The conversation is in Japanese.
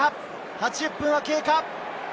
８０分は経過！